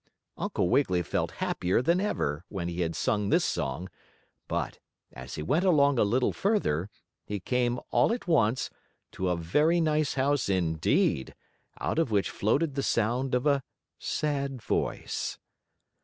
Uncle Wiggily felt happier than ever when he had sung this song, but, as he went along a little further, he came, all at once, to a very nice house indeed, out of which floated the sound of a sad voice.